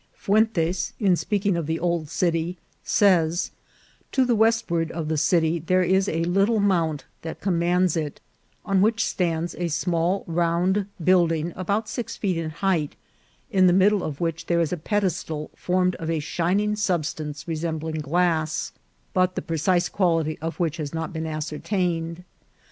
Fuentes, in speaking of the old city, says, " To the westward of the city there is a little mount that com mands it, on which stands a small round building about six feet in height, in the middle of which there is a ped estal formed of a shining substance resembling glass, but the precise quality of which has not been ascertain ed.